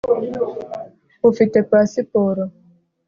ufite pasiporo